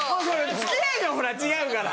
付き合いがほら違うから。